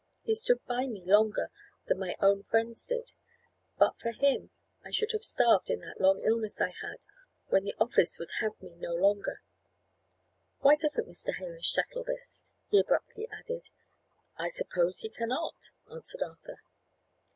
He stood by me longer than my own friends did. But for him, I should have starved in that long illness I had, when the office would have me no longer. Why doesn't Mr. Hamish settle this?" he abruptly added. "I suppose he cannot," answered Arthur.